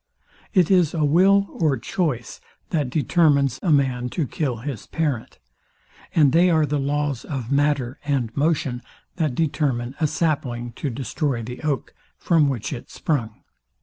It is a will or choice, that determines a man to kill his parent; and they are the laws of matter and motion, that determine a sapling to destroy the oak, from which it sprung.